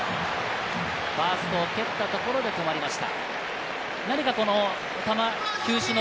ファーストを蹴ったところで止まりました。